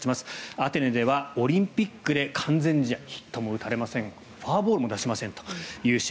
アテネではオリンピックで完全試合ヒットも打たれませんフォアボールも出しませんという試合。